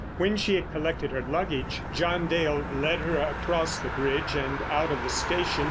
When she had collected her luggage, John Dale led her across the bridge and out of the station.